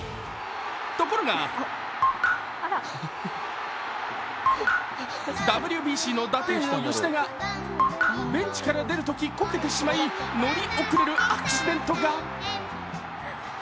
ところがＷＢＣの打点王・吉田がベンチから出るときこけてしまいのり遅れるアクシデントが。